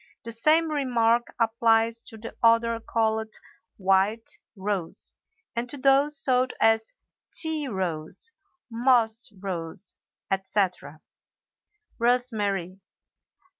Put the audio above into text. The same remark applies to the odor called "white rose" and to those sold as "tea rose," "moss rose," etc. ROSEMARY.